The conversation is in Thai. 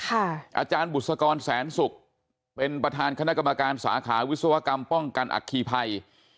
อาจารย์บุษกรแสนศุกร์เป็นประธานคณะกรรมการสาขาวิศวกรรมป้องกันอัคคีภัย